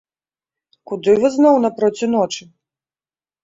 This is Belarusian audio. Куды вы зноў напроці ночы?